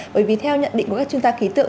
bởi vì theo nhận định của các chúng ta ký tượng